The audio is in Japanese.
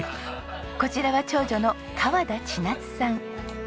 こちらは長女の川田千夏さん。